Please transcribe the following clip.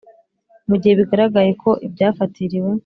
Mu gihe bigaragaye ko ibyafatiriwe